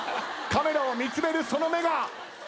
カメラを見つめるその目が。